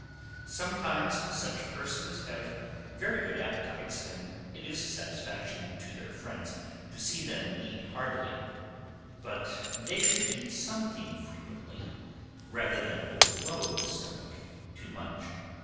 Sometimes such persons have very good appetites, and it is a satisfaction to their friends to see them eat heartily; but they should eat something frequently, rather than over load the stomach too much.